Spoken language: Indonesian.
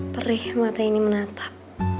perih mata ini menatap